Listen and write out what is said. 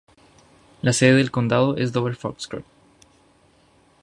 La sede del condado es Dover-Foxcroft.